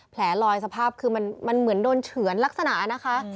แผลลอยสภาพคือมันเหมือนโดนเฉือนลักษณะนะคะ